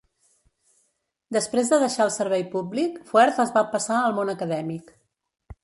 Després de deixar el servei públic, Fuerth es va passar al món acadèmic.